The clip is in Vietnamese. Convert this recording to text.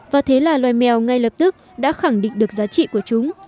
và thế là loài mèo ngay lập tức đã khẳng định được giá trị của chúng